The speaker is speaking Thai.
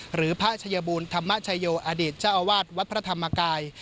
หรือพระชัยบูรธรรมชโยอดีตเจ้าอาวาสวัดพระธรรมกาย